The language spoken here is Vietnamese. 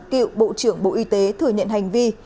cựu bộ trưởng bộ y tế thừa nhận hành vi